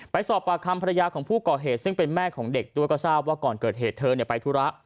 ไปสอบปากคำภรรยาของผู้ก่อเหตุซึ่งเป็นแม่ของเด็กด้วยก็ทราบว่าก่อนเกิดเหตุเธอไปธุระ